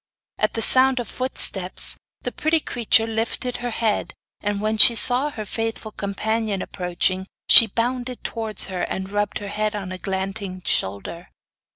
At the sound of footsteps the pretty creature lifted her head, and when she saw her faithful companion approaching she bounded towards her, and rubbed her head on Eglantine's shoulder.